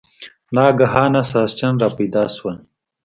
ناګهانه ساسچن را پیدا شول.